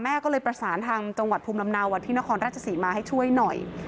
ก็เลยประสานทางจังหวัดภูมิลำเนาที่นครราชศรีมาให้ช่วยหน่อย